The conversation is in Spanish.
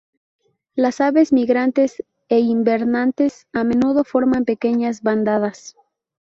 Las aves migrantes e invernantes a menudo forman pequeñas bandadas.